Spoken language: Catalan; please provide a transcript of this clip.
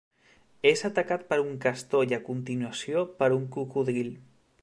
És atacat per un castor i a continuació, per un cocodril.